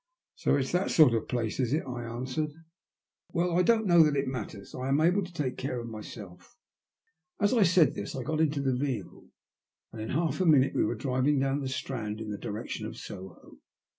*'So it's that sort of place is it?" I answered. A GllU£SOM£ TALfi. 81 " Well, I don't know that it matters. I'm able to take care of myself." As I said this I got into the vehicle, and in half a minute we were driving down the Strand in the direction of Soho.